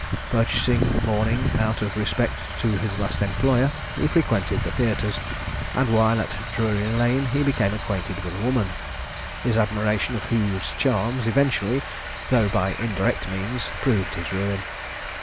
Purchasing mourning out of respect to his last employer, he frequented the theatres, and while at Drury lane he became acquainted with a woman, his admiration of whose charms eventually, though by indirect means, proved his ruin.